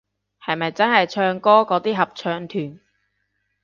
係咪真係唱歌嗰啲合唱團